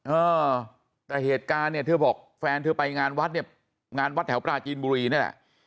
เออแต่เหตุการณ์เนี่ยเธอบอกแฟนเธอไปงานวัดเนี่ยงานวัดแถวปราจีนบุรีนี่แหละ